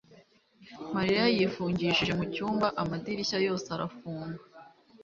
mariya yifungishije mu cyumba, amadirishya yose arafunga